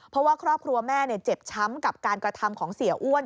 เพราะว่าครอบครัวแม่เจ็บช้ำกับการกระทำของเสียอ้วน